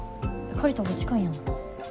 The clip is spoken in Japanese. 借りたほうが近いやん。